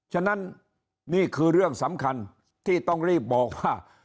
ฉะนั้นนี่คือเรื่องสำคัญที่ต้องรีบบอกว่า